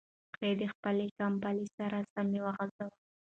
پښې د خپلې کمپلې سره سمې وغځوئ.